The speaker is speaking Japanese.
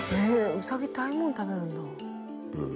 うさぎってああいうもの食べるんだ。